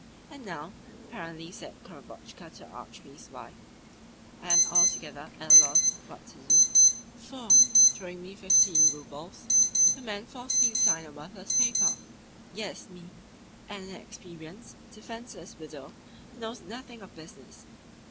'And now,' apparently said Korobotchka to the Archpriest's wife, 'I am altogether at a loss what to do, for, throwing me fifteen roubles, the man forced me to sign a worthless paper yes, me, an inexperienced, defenceless widow who knows nothing of business.